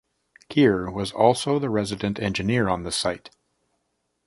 Keir was also the resident engineer on the site.